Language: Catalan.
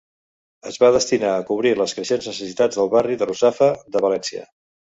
Es va destinar a cobrir les creixents necessitats del barri de Russafa de València.